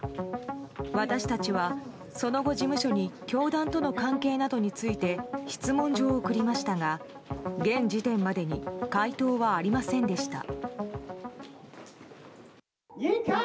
私たちはその後、事務所に教団との関係などについて質問状を送りましたが現時点までに回答はありませんでした。